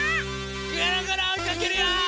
ぐるぐるおいかけるよ！